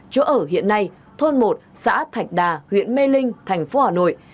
chỗ ở hiện nay thôn một xã thạch đà huyện mê linh thành phố hà nội